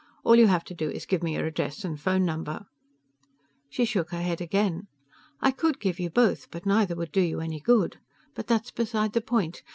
All you have to do is give me your address and phone number." She shook her head again. "I could give you both, but neither would do you any good. But that's beside the point.